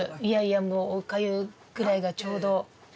いやいやお粥くらいがちょうど。